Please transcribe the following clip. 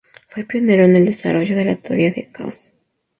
Fue pionero en el desarrollo de la teoría del caos.